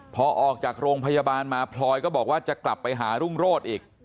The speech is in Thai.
พอออกจากโรงพยาบาลมาพลอยก็บอกว่าจะกลับไปหารุ่งโรธอีก